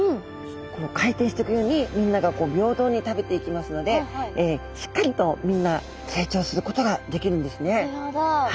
回転していくようにみんなが平等に食べていきますのでしっかりとみんな成長することができるんですね。